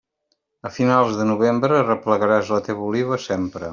A finals de novembre, replegaràs la teua oliva sempre.